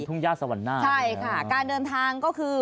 ทุ่งย่าสวรรค์หน้าใช่ค่ะการเดินทางก็คือ